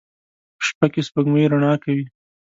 په شپه کې سپوږمۍ رڼا کوي